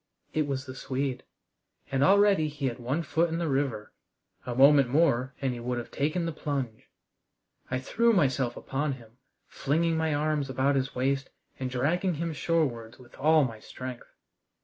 It was the Swede. And already he had one foot in the river! A moment more and he would have taken the plunge. I threw myself upon him, flinging my arms about his waist and dragging him shorewards with all my strength.